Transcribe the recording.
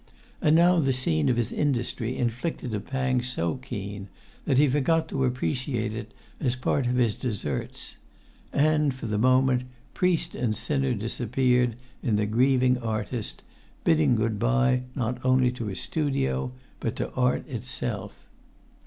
And now the scene of his industry inflicted a pang so keen that he forgot to appreciate it as part of his deserts; and, for the moment, priest and sinner disappeared in the grieving artist, bidding good bye not only to his studio, but to art itself.